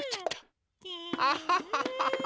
アハハハハ！